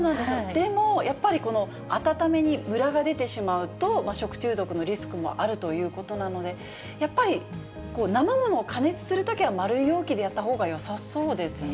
でも、やっぱりこの温めにむらが出てしまうと、食中毒のリスクもあるということなので、やっぱり生ものを加熱するときは丸い容器でやったほうがよさそうですね。